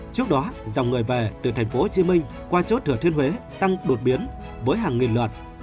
trước đó dòng người về từ thành phố hồ chí minh qua chốt thừa thiên huế tăng đột biến với hàng nghìn luật